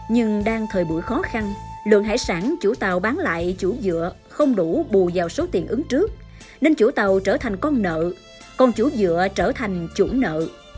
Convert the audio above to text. nhưng đang thời buổi khó khăn lượng hải sản chủ tàu bán lại chủ dựa không đủ bù vào số tiền ứng trước nên chủ tàu trở thành con nợ còn chủ dựa trở thành chủ nợ